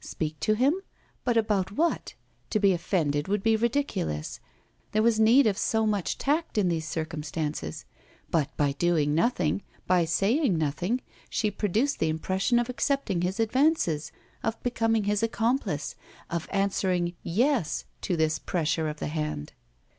Speak to him? but about what? To be offended would be ridiculous. There was need of so much tact in these circumstances. But by doing nothing, by saying nothing, she produced the impression of accepting his advances, of becoming his accomplice, of answering "yes" to this pressure of the hand.